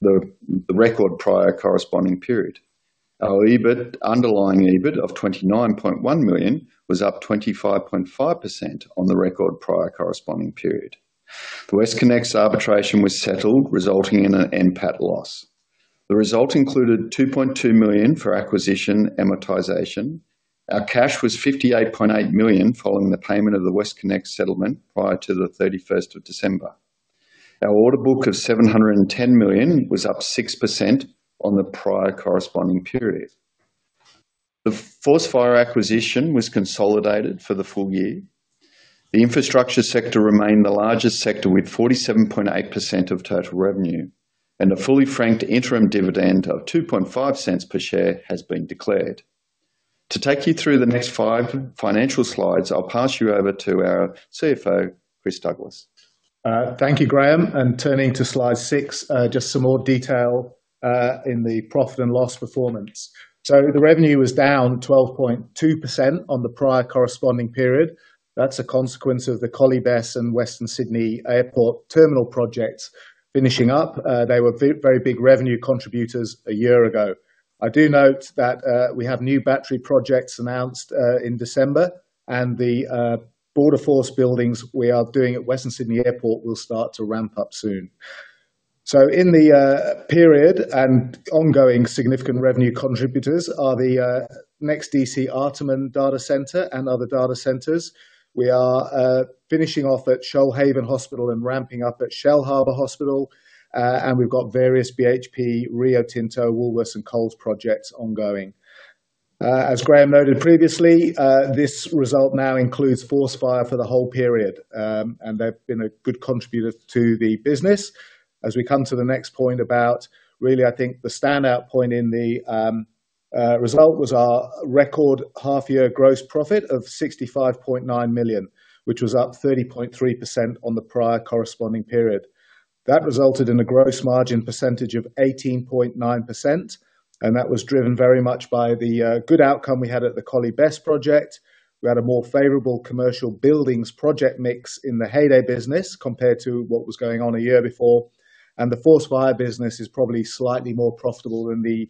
The record prior corresponding period. Our EBIT, underlying EBIT of 29.1 million was up 25.5% on the record prior corresponding period. The WestConnex arbitration was settled, resulting in an NPAT loss. The result included 2.2 million for acquisition amortization. Our cash was 58.8 million, following the payment of the WestConnex settlement prior to the 31st of December. Our order book of 710 million was up 6% on the prior corresponding period. The Force Fire acquisition was consolidated for the full year. The infrastructure sector remained the largest sector, with 47.8% of total revenue, and a fully franked interim dividend of 0.025 per share has been declared. To take you through the next five financial slides, I'll pass you over to our CFO, Chris Douglas. Thank you, Graeme, and turning to slide 6, just some more detail in the profit and loss performance. So the revenue was down 12.2% on the prior corresponding period. That's a consequence of the Collie BESS and Western Sydney Airport terminal projects finishing up. They were very big revenue contributors a year ago. I do note that we have new battery projects announced in December, and the Border Force buildings we are doing at Western Sydney Airport will start to ramp up soon. So in the period and ongoing significant revenue contributors are the NextDC Artarmon Data Center and other data centers. We are finishing off at Shoalhaven Hospital and ramping up at Shellharbour Hospital. And we've got various BHP, Rio Tinto, Woolworths, and Coles projects ongoing. As Graeme noted previously, this result now includes Force Fire for the whole period, and they've been a good contributor to the business. As we come to the next point about really, I think the standout point in the result was our record half-year gross profit of 65.9 million, which was up 30.3% on the prior corresponding period. That resulted in a gross margin percentage of 18.9%, and that was driven very much by the good outcome we had at the Collie BESS project. We had a more favorable commercial buildings project mix in the Heyday business compared to what was going on a year before, and the Force Fire business is probably slightly more profitable than the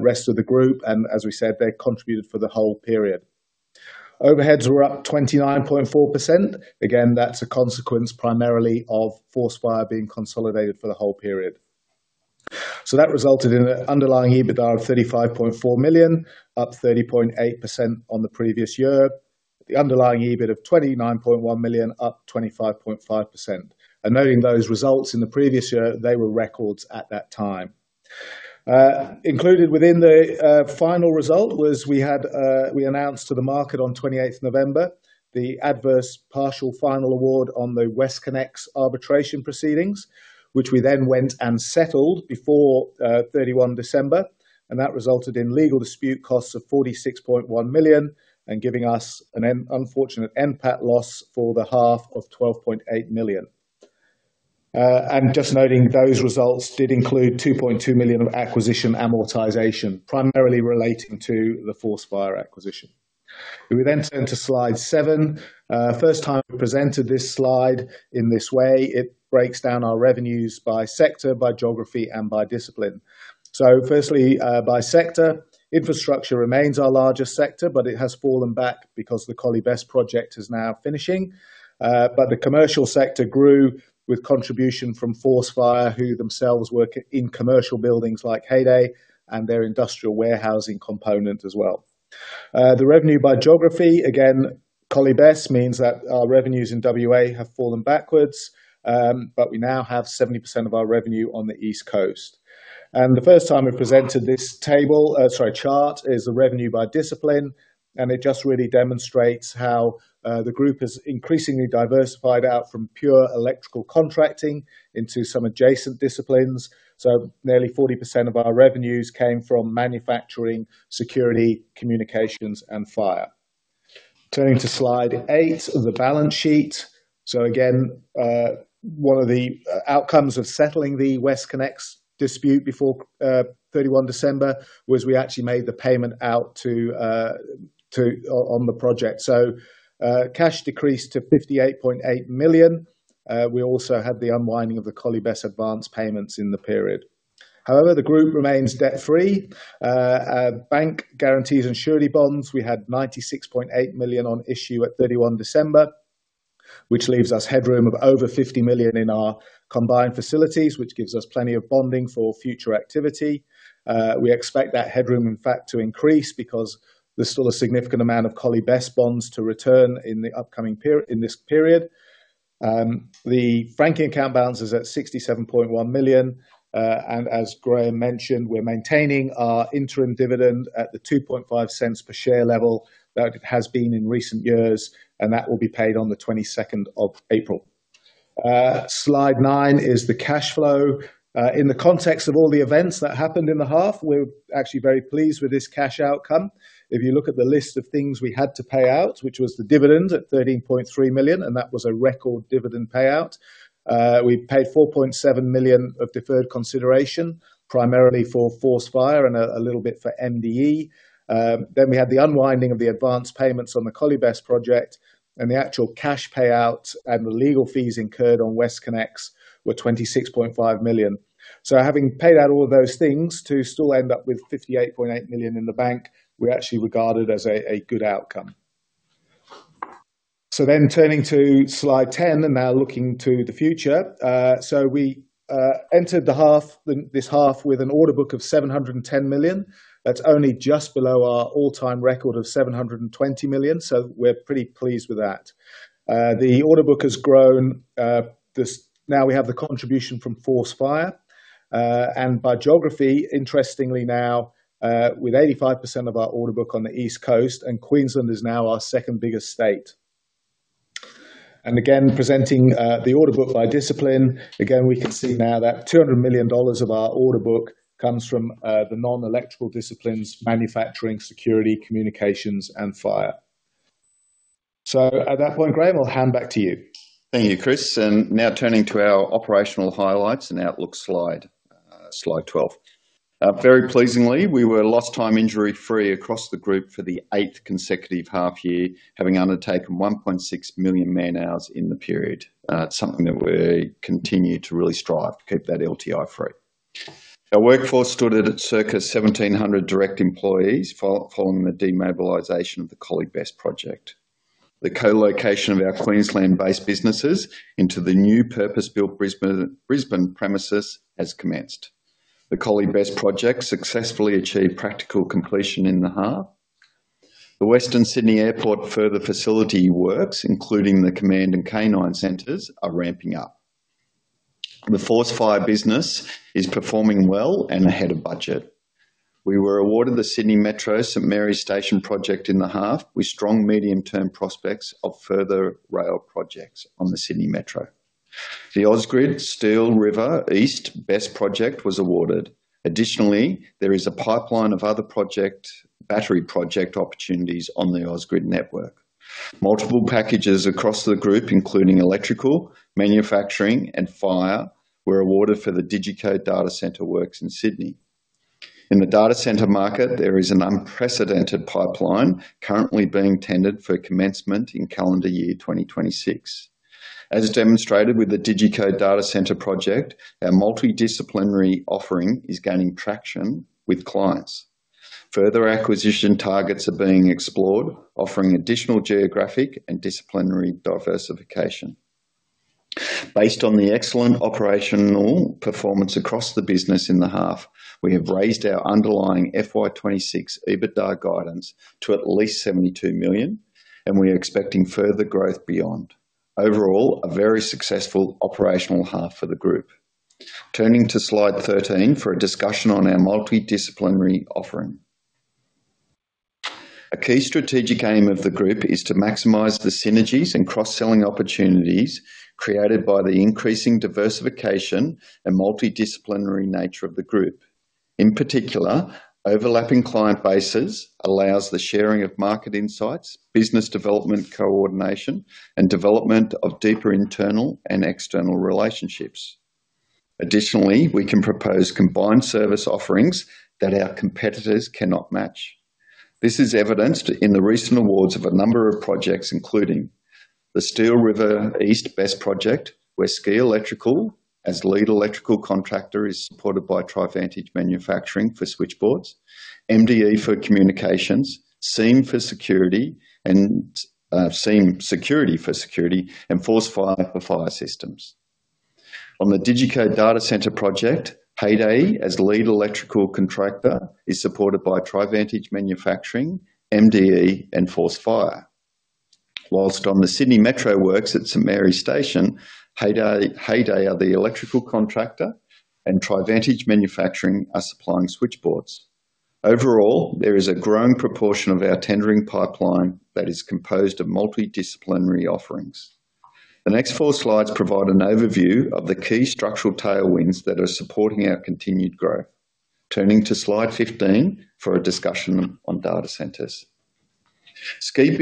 rest of the group, and as we said, they contributed for the whole period. Overheads were up 29.4%. Again, that's a consequence primarily of Force Fire being consolidated for the whole period. So that resulted in an underlying EBITDA of 35.4 million, up 30.8% on the previous year. The underlying EBIT of 29.1 million, up 25.5%. And noting those results in the previous year, they were records at that time. Included within the final result was we had, we announced to the market on 28th November, the adverse partial final award on the WestConnex arbitration proceedings, which we then went and settled before 31 December, and that resulted in legal dispute costs of 46.1 million and giving us an unfortunate NPAT loss for the half of 12.8 million. And just noting those results did include 2.2 million of acquisition amortization, primarily relating to the Force Fire acquisition. We then turn to slide 7. First time we presented this slide in this way. It breaks down our revenues by sector, by geography, and by discipline. So firstly, by sector. Infrastructure remains our largest sector, but it has fallen back because the Collie BESS project is now finishing. But the commercial sector grew with contribution from Force Fire, who themselves work in commercial buildings like Heyday and their industrial warehousing component as well. The revenue by geography, again, Collie BESS means that our revenues in WA have fallen backwards, but we now have 70% of our revenue on the East Coast. The first time we've presented this table, sorry, chart, is the revenue by discipline, and it just really demonstrates how the group has increasingly diversified out from pure electrical contracting into some adjacent disciplines. So nearly 40% of our revenues came from manufacturing, security, communications, and fire. Turning to slide 8 of the balance sheet. So again, one of the outcomes of settling the WestConnex dispute before 31 December was we actually made the payment out to on the project. So cash decreased to 58.8 million. We also had the unwinding of the Collie BESS advance payments in the period. However, the group remains debt-free. Our bank guarantees and surety bonds, we had 96.8 million on issue at 31 December, which leaves us headroom of over 50 million in our combined facilities, which gives us plenty of bonding for future activity. We expect that headroom, in fact, to increase because there's still a significant amount of Collie BESS bonds to return in the upcoming period. The franking account balance is at 67.1 million, and as Graeme mentioned, we're maintaining our interim dividend at the 0.025 per share level that it has been in recent years, and that will be paid on the 22nd of April. Slide 9 is the cash flow. In the context of all the events that happened in the half, we're actually very pleased with this cash outcome. If you look at the list of things we had to pay out, which was the dividend at 13.3 million, and that was a record dividend payout. We paid 4.7 million of deferred consideration, primarily for Force Fire and a little bit for MDE. Then we had the unwinding of the advanced payments on the Collie BESS project, and the actual cash payouts and the legal fees incurred on WestConnex were 26.5 million. So having paid out all those things, to still end up with 58.8 million in the bank, we actually regard it as a good outcome. So then turning to slide 10, and now looking to the future. So we entered this half with an order book of 710 million. That's only just below our all-time record of 720 million, so we're pretty pleased with that. The order book has grown. Now we have the contribution from Force Fire. And by geography, interestingly now, with 85% of our order book on the East Coast, and Queensland is now our second biggest state. And again, presenting the order book by discipline, again, we can see now that 200 million dollars of our order book comes from the non-electrical disciplines: manufacturing, security, communications, and fire. So at that point, Graeme, I'll hand back to you. Thank you, Chris, and now turning to our operational highlights and outlook slide, slide 12. Very pleasingly, we were lost time injury-free across the group for the eighth consecutive half year, having undertaken 1.6 million man-hours in the period. It's something that we continue to really strive to keep that LTI free. Our workforce stood at circa 1,700 direct employees following the demobilization of the Collie BESS project. The co-location of our Queensland-based businesses into the new purpose-built Brisbane premises has commenced. The Collie BESS project successfully achieved practical completion in the half. The Western Sydney Airport further facility works, including the command and canine centers, are ramping up. The Force Fire business is performing well and ahead of budget. We were awarded the Sydney Metro St Marys Station project in the half, with strong medium-term prospects of further rail projects on the Sydney Metro. The Ausgrid Steel River East BESS project was awarded. Additionally, there is a pipeline of other project, battery project opportunities on the Ausgrid network. Multiple packages across the group, including electrical, manufacturing, and fire, were awarded for the DCI data center works in Sydney. In the data center market, there is an unprecedented pipeline currently being tendered for commencement in calendar year 2026. As demonstrated with the DCI data center project, our multidisciplinary offering is gaining traction with clients. Further acquisition targets are being explored, offering additional geographic and disciplinary diversification. Based on the excellent operational performance across the business in the half, we have raised our underlying FY 2026 EBITDA guidance to at least 72 million, and we are expecting further growth beyond. Overall, a very successful operational half for the group. Turning to slide 13 for a discussion on our multidisciplinary offering. A key strategic aim of the group is to maximize the synergies and cross-selling opportunities created by the increasing diversification and multidisciplinary nature of the group. In particular, overlapping client bases allows the sharing of market insights, business development, coordination, and development of deeper internal and external relationships. Additionally, we can propose combined service offerings that our competitors cannot match. This is evidenced in the recent awards of a number of projects, including the Steel River East BESS Project, where SCEE Electrical, as lead electrical contractor, is supported by Trivantage Manufacturing for switchboards, MDE for communications, SEME for security and SEME Security for security, and Force Fire for fire systems. On the DCI Data Center project, Heyday, as lead electrical contractor, is supported by Trivantage Manufacturing, MDE, and Force Fire. While on the Sydney Metro works at St Marys Station, Heyday, Heyday are the electrical contractor, and Trivantage Manufacturing are supplying switchboards. Overall, there is a growing proportion of our tendering pipeline that is composed of multidisciplinary offerings. The next 4 slides provide an overview of the key structural tailwinds that are supporting our continued growth. Turning to slide 15 for a discussion on data centers. SCEE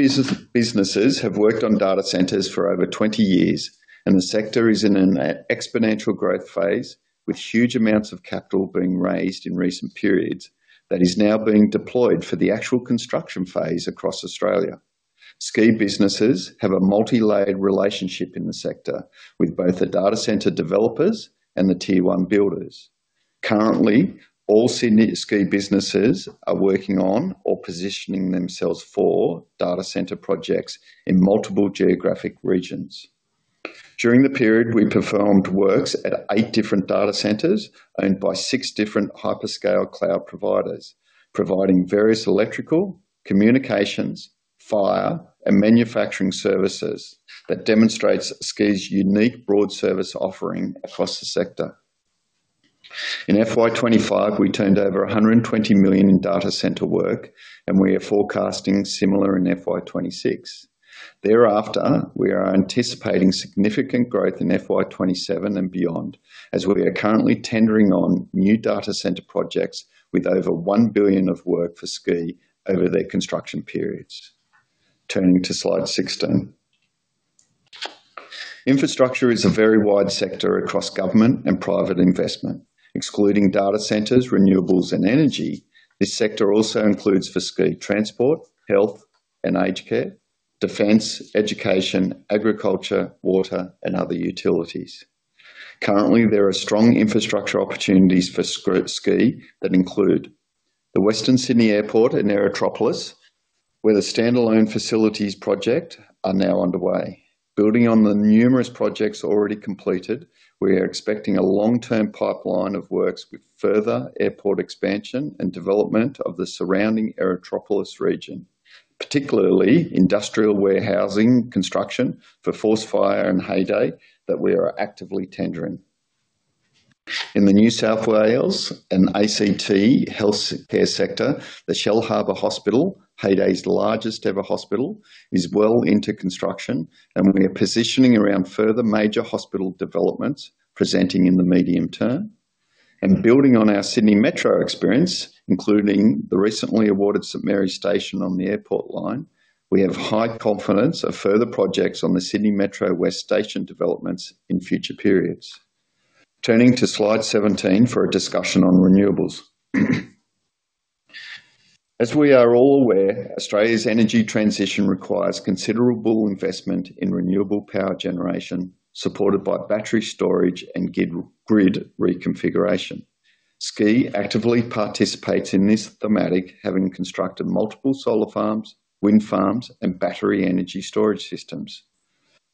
businesses have worked on data centers for over 20 years, and the sector is in an exponential growth phase, with huge amounts of capital being raised in recent periods, that is now being deployed for the actual construction phase across Australia. SCEE businesses have a multi-layered relationship in the sector with both the data center developers and the tier one builders. Currently, all Sydney SCEE businesses are working on or positioning themselves for data center projects in multiple geographic regions. During the period, we performed works at eight different data centers owned by six different hyperscale cloud providers, providing various electrical, communications, fire, and manufacturing services that demonstrates SCEE's unique broad service offering across the sector. In FY 2025, we turned over 120 million in data center work, and we are forecasting similar in FY 2026. Thereafter, we are anticipating significant growth in FY 2027 and beyond, as we are currently tendering on new data center projects with over 1 billion of work for SCEE over their construction periods. Turning to slide 16. Infrastructure is a very wide sector across government and private investment. Excluding data centers, renewables, and energy, this sector also includes for SCEE, transport, health and aged care, defense, education, agriculture, water, and other utilities. Currently, there are strong infrastructure opportunities for SCEE that include- The Western Sydney Airport and Aerotropolis, where the standalone facilities project are now underway. Building on the numerous projects already completed, we are expecting a long-term pipeline of works with further airport expansion and development of the surrounding Aerotropolis region, particularly industrial warehousing construction for Force Fire and Heyday, that we are actively tendering. In the New South Wales and ACT Health Care sector, the Shellharbour Hospital, Heyday's largest ever hospital, is well into construction, and we are positioning around further major hospital developments presenting in the medium term. And building on our Sydney Metro experience, including the recently awarded St Marys Station on the airport line, we have high confidence of further projects on the Sydney Metro West Station developments in future periods. Turning to slide 17 for a discussion on renewables. As we are all aware, Australia's energy transition requires considerable investment in renewable power generation, supported by battery storage and grid reconfiguration. SCEE actively participates in this thematic, having constructed multiple solar farms, wind farms, and battery energy storage systems.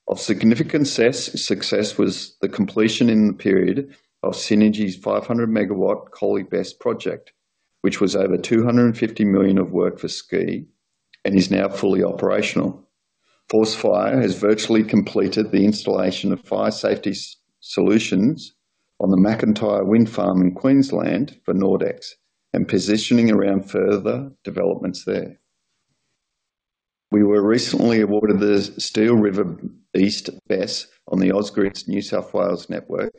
Of significant success was the completion in the period of Synergy's 500MW Collie BESS project, which was over 250 million of work for SCEE and is now fully operational. Force Fire has virtually completed the installation of fire safety solutions on the MacIntyre Wind Farm in Queensland for Nordex, and positioning around further developments there. We were recently awarded the Steel River East BESS on the Ausgrid's New South Wales network,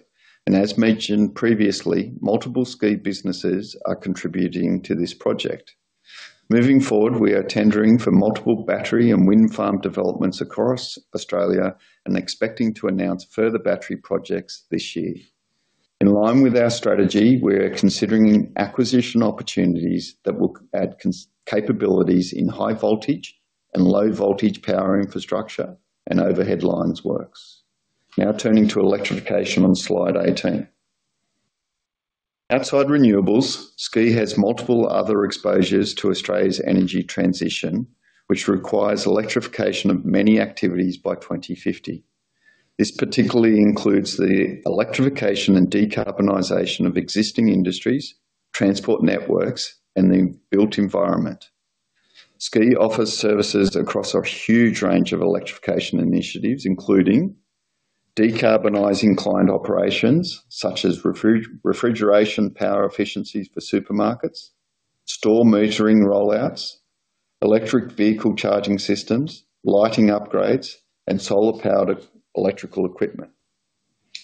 and as mentioned previously, multiple SCEE businesses are contributing to this project. Moving forward, we are tendering for multiple battery and wind farm developments across Australia and expecting to announce further battery projects this year. In line with our strategy, we're considering acquisition opportunities that will add capabilities in high voltage and low voltage power infrastructure and overhead lines works. Now turning to electrification on slide 18. Outside renewables, SCEE has multiple other exposures to Australia's energy transition, which requires electrification of many activities by 2050. This particularly includes the electrification and decarbonization of existing industries, transport networks, and the built environment. SCEE offers services across a huge range of electrification initiatives, including decarbonizing client operations, such as refrigeration, power efficiencies for supermarkets, store metering rollouts, electric vehicle charging systems, lighting upgrades, and solar-powered electrical equipment.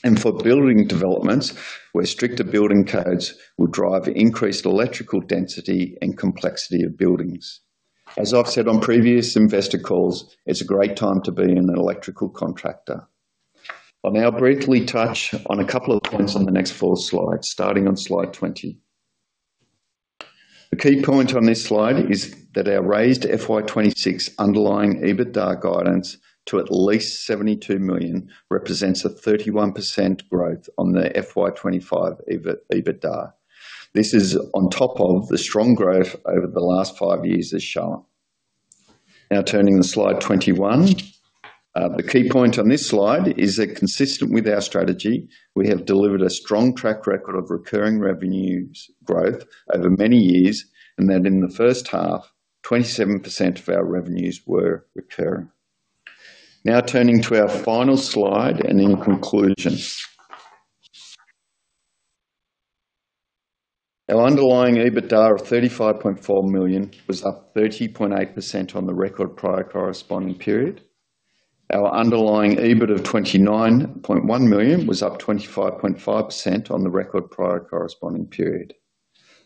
And for building developments, where stricter building codes will drive increased electrical density and complexity of buildings. As I've said on previous investor calls, it's a great time to be an electrical contractor. I'll now briefly touch on a couple of points on the next four slides, starting on slide 20. The key point on this slide is that our raised FY 2026 underlying EBITDA guidance to at least 72 million represents a 31% growth on the FY 2025 underlying EBITDA. This is on top of the strong growth over the last 5 years as shown. Now turning to slide 21. The key point on this slide is that consistent with our strategy, we have delivered a strong track record of recurring revenues growth over many years, and that in the first half, 27% of our revenues were recurring. Now turning to our final slide and in conclusion. Our underlying EBITDA of 35.4 million was up 30.8% on the record prior corresponding period. Our underlying EBIT of 29.1 million was up 25.5% on the record prior corresponding period.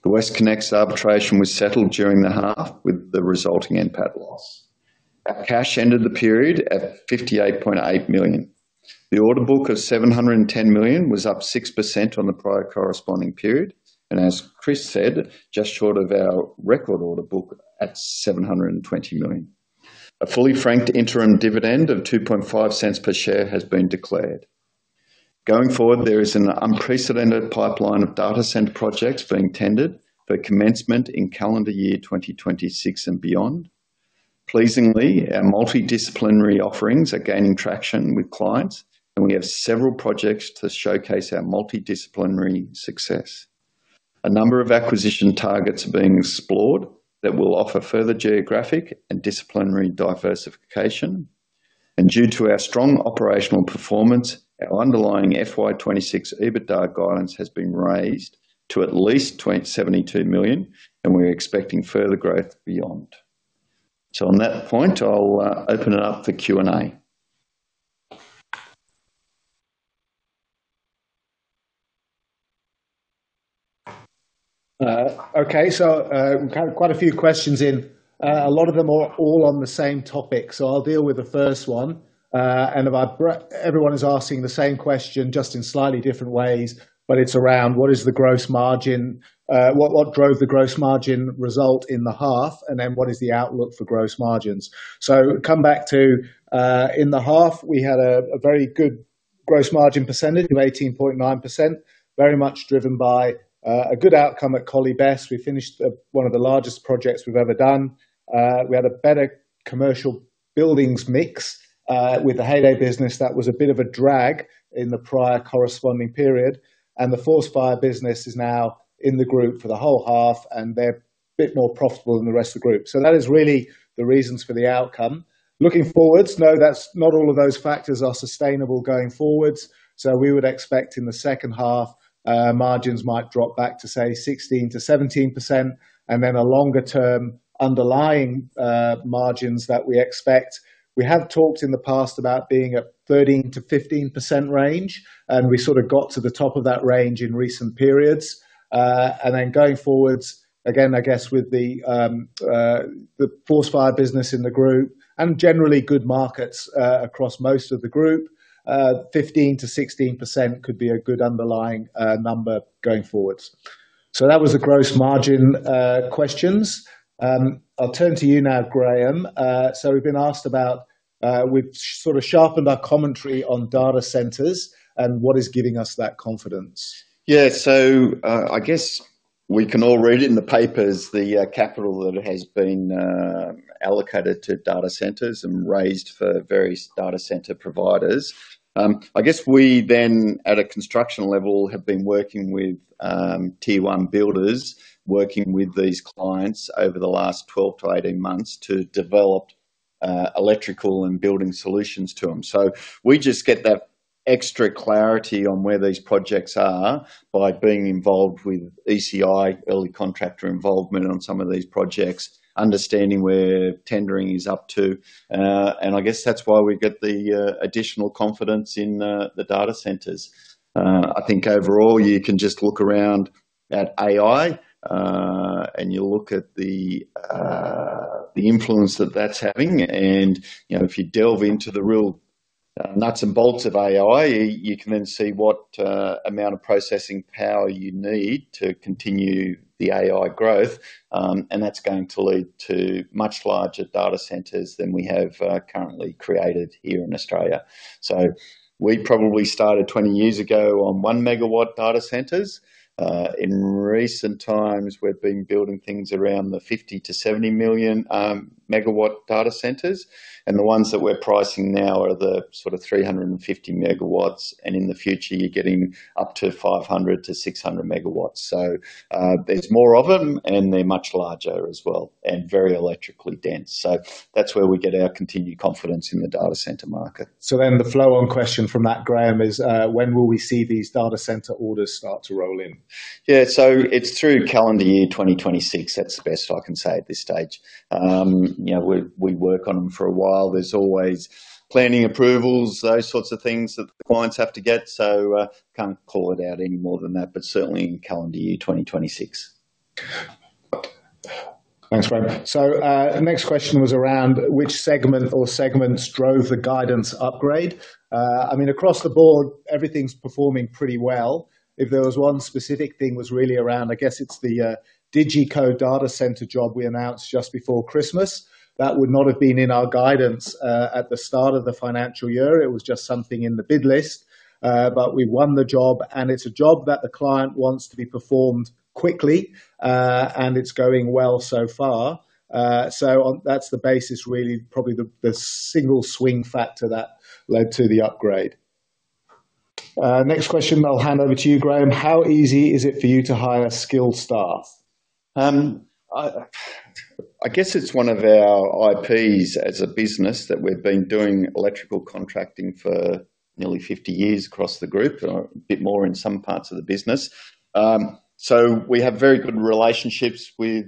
The WestConnex arbitration was settled during the half, with the resulting NPAT loss. Our cash ended the period at 58.8 million. The order book of 710 million was up 6% on the prior corresponding period, and as Chris said, just short of our record order book at 720 million. A fully franked interim dividend of 0.025 per share has been declared. Going forward, there is an unprecedented pipeline of data center projects being tendered for commencement in calendar year 2026 and beyond. Pleasingly, our multidisciplinary offerings are gaining traction with clients, and we have several projects to showcase our multidisciplinary success. A number of acquisition targets are being explored that will offer further geographic and disciplinary diversification. Due to our strong operational performance, our underlying FY 2026 EBITDA guidance has been raised to at least 72 million, and we're expecting further growth beyond. So on that point, I'll open it up for Q&A. Okay, so we've had quite a few questions in. A lot of them are all on the same topic, so I'll deal with the first one. Everyone is asking the same question, just in slightly different ways, but it's around: What is the gross margin? What drove the gross margin result in the half, and then what is the outlook for gross margins? In the half, we had a very good gross margin percentage of 18.9%, very much driven by a good outcome at Collie BESS. We finished one of the largest projects we've ever done. We had a better commercial buildings mix with the Heyday business that was a bit of a drag in the prior corresponding period, and the Force Fire business is now in the group for the whole half, and they're a bit more profitable than the rest of the group. So that is really the reasons for the outcome. Looking forward, no, that's not all of those factors are sustainable going forward, so we would expect in the second half, margins might drop back to, say, 16%-17%, and then a longer term underlying margins that we expect. We have talked in the past about being a 13%-15% range, and we sort of got to the top of that range in recent periods. And then going forwards, again, I guess with the, the Force Fire business in the group and generally good markets across most of the group, 15%-16% could be a good underlying number going forwards. So that was the gross margin questions. I'll turn to you now, Graeme. So we've been asked about, we've sort of sharpened our commentary on data centers and what is giving us that confidence. Yeah. So, I guess we can all read in the papers the capital that has been allocated to data centers and raised for various data center providers. I guess we then, at a construction level, have been working with tier one builders, working with these clients over the last 12-18 months to develop electrical and building solutions to them. So we just get that extra clarity on where these projects are by being involved with ECI, Early Contractor Involvement, on some of these projects, understanding where tendering is up to, and I guess that's why we get the additional confidence in the data centers. I think overall, you can just look around at AI, and you look at the influence that that's having, and, you know, if you delve into the real nuts and bolts of AI, you can then see what amount of processing power you need to continue the AI growth. And that's going to lead to much larger data centers than we have currently created here in Australia. So we probably started 20 years ago on 1MW data centers. In recent times, we've been building things around the 50-70MW data centers, and the ones that we're pricing now are the sort of 350MW, and in the future, you're getting up to 500-600MW. So, there's more of them, and they're much larger as well, and very electrically dense. So that's where we get our continued confidence in the data center market. So then the follow on question from that, Graeme, is, when will we see these data center orders start to roll in? Yeah. So it's through calendar year 2026. That's the best I can say at this stage. You know, we, we work on them for a while. There's always planning approvals, those sorts of things that the clients have to get, so, can't call it out any more than that, but certainly in calendar year 2026. Thanks, Graeme. So, the next question was around which segment or segments drove the guidance upgrade? I mean, across the board, everything's performing pretty well. If there was one specific thing, was really around, I guess it's the DCI data center job we announced just before Christmas. That would not have been in our guidance at the start of the financial year. It was just something in the bid list. But we won the job, and it's a job that the client wants to be performed quickly, and it's going well so far. So on... That's the basis, really, probably the single swing factor that led to the upgrade. Next question, I'll hand over to you, Graeme. How easy is it for you to hire skilled staff? I guess it's one of our IPs as a business that we've been doing electrical contracting for nearly 50 years across the group, a bit more in some parts of the business. So we have very good relationships with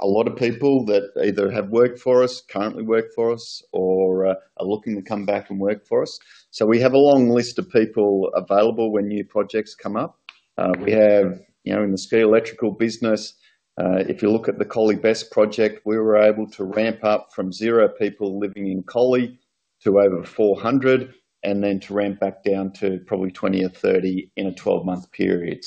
a lot of people that either have worked for us, currently work for us, or are looking to come back and work for us. So we have a long list of people available when new projects come up. You know, in the SCEE Electrical business, if you look at the Collie BESS project, we were able to ramp up from 0 people living in Collie to over 400, and then to ramp back down to probably 20 or 30 in a 12-month period.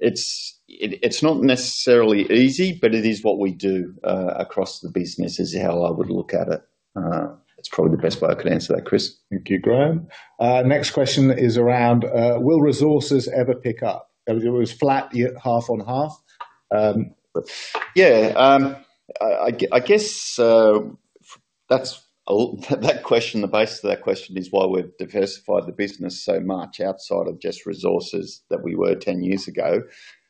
It's not necessarily easy, but it is what we do across the business, is how I would look at it. That's probably the best way I could answer that, Chris. Thank you, Graeme. Next question is around will resources ever pick up? It was flat, yet half on half. Yeah, I guess that's that question, the base of that question is why we've diversified the business so much outside of just resources that we were 10 years ago.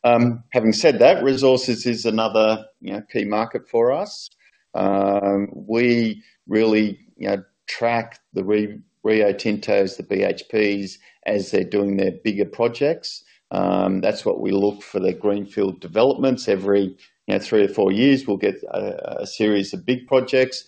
Having said that, resources is another, you know, key market for us. We really, you know, track the Rio Tinto, the BHPs, as they're doing their bigger projects. That's what we look for, the greenfield developments. Every, you know, 3-4 years, we'll get a series of big projects.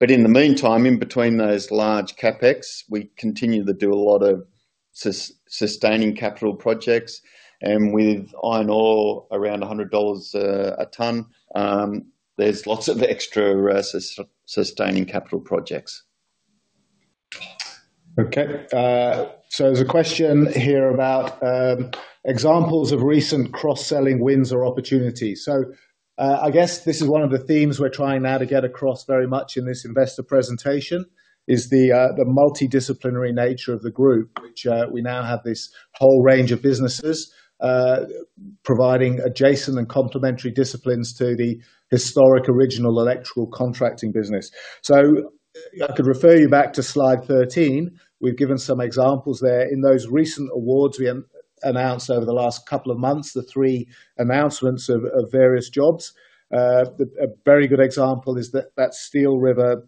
But in the meantime, in between those large CapEx, we continue to do a lot of sustaining capital projects, and with iron ore around $100 a ton, there's lots of extra sustaining capital projects. Okay. So there's a question here about examples of recent cross-selling wins or opportunities. So, I guess this is one of the themes we're trying now to get across very much in this investor presentation, is the multidisciplinary nature of the group, which we now have this whole range of businesses providing adjacent and complementary disciplines to the historic original electrical contracting business. So, I could refer you back to slide 13. We've given some examples there. In those recent awards we announced over the last couple of months, the three announcements of various jobs. A very good example is that Steel River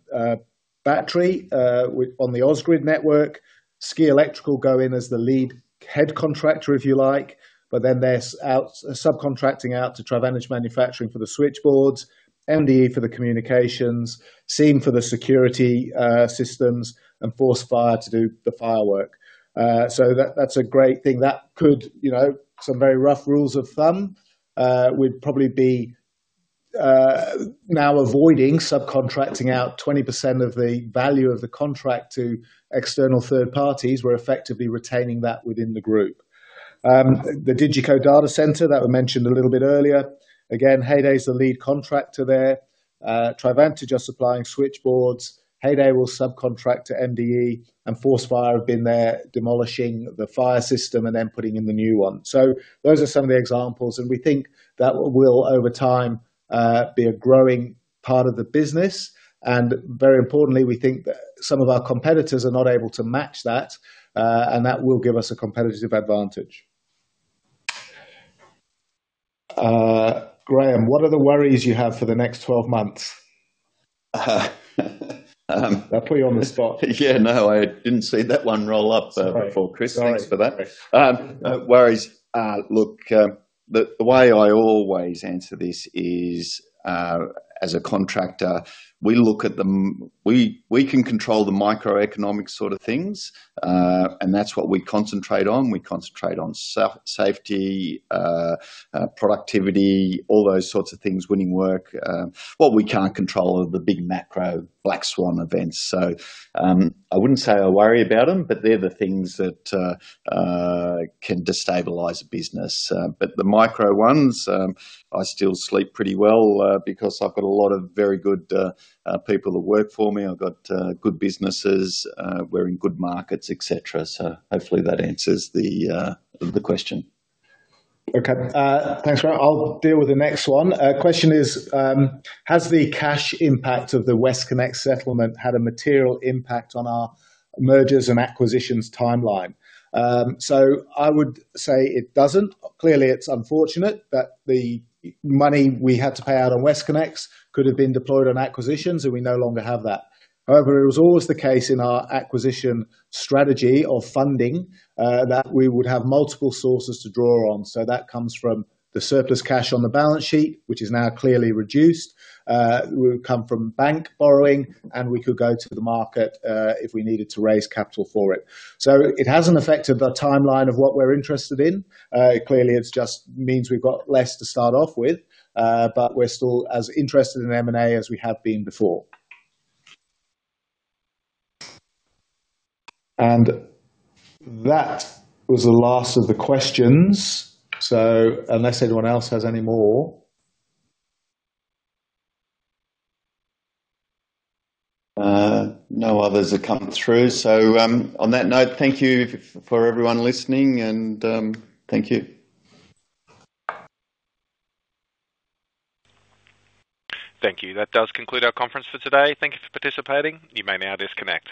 battery on the Ausgrid network, SCEE Electrical go in as the lead head contractor, if you like, but then subcontracting out to Trivantage Manufacturing for the switchboards, MDE for the communications, SEME for the security systems, and Force Fire to do the firework. So that's a great thing. That could, you know, some very rough rules of thumb, we'd probably now be avoiding subcontracting out 20% of the value of the contract to external third parties. We're effectively retaining that within the group. The DCI Data Center that were mentioned a little bit earlier, again, Heyday is the lead contractor there. Trivantage are supplying switchboards, Heyday will subcontract to MDE, and Force Fire have been there demolishing the fire system and then putting in the new one. So those are some of the examples, and we think that will, over time, be a growing part of the business. And very importantly, we think that some of our competitors are not able to match that, and that will give us a competitive advantage. Graeme, what are the worries you have for the next twelve months? Um- I'll put you on the spot. Yeah, no, I didn't see that one roll up before, Chris. Sorry. Thanks for that. No worries. Look, the way I always answer this is, as a contractor, we look at the microeconomic sort of things, and that's what we concentrate on. We concentrate on safety, productivity, all those sorts of things, winning work. What we can't control are the big macro Black Swan events. So, I wouldn't say I worry about them, but they're the things that can destabilize a business. But the micro ones, I still sleep pretty well, because I've got a lot of very good people that work for me. I've got good businesses, we're in good markets, et cetera. So hopefully that answers the question. Okay, thanks, Graeme. I'll deal with the next one. Question is: Has the cash impact of the WestConnex settlement had a material impact on our mergers and acquisitions timeline? So I would say it doesn't. Clearly, it's unfortunate that the money we had to pay out on WestConnex could have been deployed on acquisitions, and we no longer have that. However, it was always the case in our acquisition strategy of funding, that we would have multiple sources to draw on, so that comes from the surplus cash on the balance sheet, which is now clearly reduced. It would come from bank borrowing, and we could go to the market, if we needed to raise capital for it. So it hasn't affected the timeline of what we're interested in. Clearly, it's just means we've got less to start off with, but we're still as interested in M&A as we have been before. And that was the last of the questions. So unless anyone else has any more? No others are coming through. So, on that note, thank you for everyone listening, and thank you. Thank you. That does conclude our conference for today. Thank you for participating. You may now disconnect.